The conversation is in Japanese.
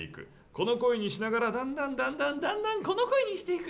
この声にしながらだんだん、だんだん、だんだんこの声にしていく。